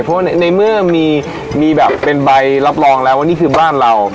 เพราะว่าในเมื่อมีแบบเป็นใบรับรองแล้วว่านี่คือบ้านเรา